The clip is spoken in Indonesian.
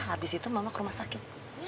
habis itu mama ke rumah sakit